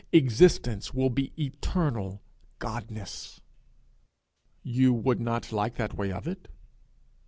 Existence will be eternal Godness. You would not like that way of it?